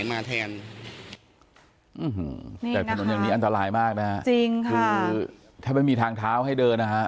คือถ้ามันมีทางเท้าให้เดินนะคะ